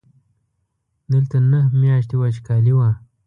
دلته نهه میاشتې وچکالي وه.